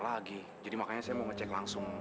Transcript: lagi jadi makanya saya mau ngecek langsung